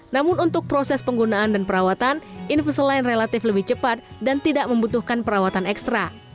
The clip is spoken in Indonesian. namun untuk proses penggunaan dan perawatan invisaline relatif lebih cepat dan tidak membutuhkan perawatan ekstra